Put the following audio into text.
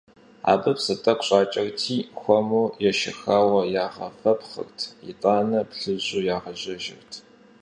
Абы псы тӏэкӏу щӏакӏэрти, хуэму ешэхауэ, ягъэвэпхъырт, итӏанэ плъыжьу ягъэжьэжырт.